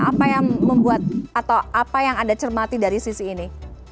apa yang membuat atau apa yang anda cermati dari sisi ini